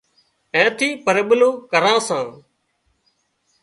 اين ٿي پرٻلوُن ڪران سان